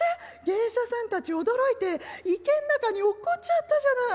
芸者さんたち驚いて池ん中に落っこっちゃったじゃない。